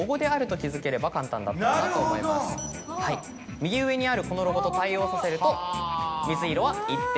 右上にあるこのロゴと対応させると水色は「一定」。